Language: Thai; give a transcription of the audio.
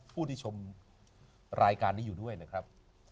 ผู้ที่ชมรายการนี้อยู่ด้วยนะครับ